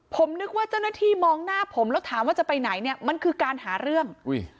ผมนึกว่าเจ้าหน้าที่มองหน้าผมแล้วถามว่าจะไปไหนเนี่ยมันคือการหาเรื่อง